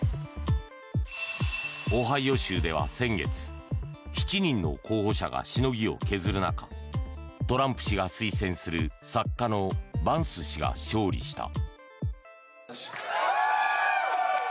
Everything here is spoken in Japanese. オハイオ州では先月７人の候補者がしのぎを削る中トランプ氏が推薦する作家のバンス氏が勝利した。